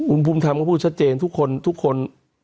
คุณภูมิธรรมก็พูดชัดเจนทุกคนทุกคน